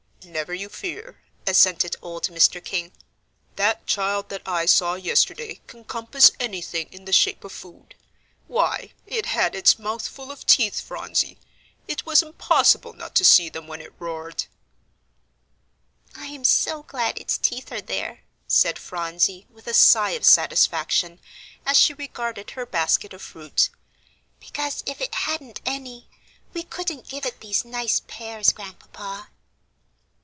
"Never you fear," assented old Mr. King, "that child that I saw yesterday can compass anything in the shape of food. Why, it had its mouth full of teeth, Phronsie; it was impossible not to see them when it roared." "I am so glad its teeth are there," said Phronsie, with a sigh of satisfaction, as she regarded her basket of fruit, "because if it hadn't any, we couldn't give it these nice pears, Grandpapa."